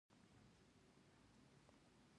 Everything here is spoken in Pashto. که هغه هر څومره قوي وي